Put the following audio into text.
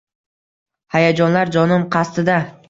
Hayajonlar jonim qasdida.